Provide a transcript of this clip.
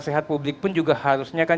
sehat publik pun juga harusnya kan